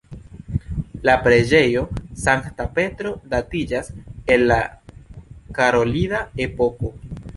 La preĝejo Sankta Petro datiĝas el la karolida epoko.